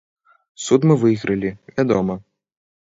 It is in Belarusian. Суд мы выйгралі, вядома.